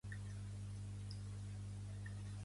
Molts catalans defensen al President Carles Puigdemont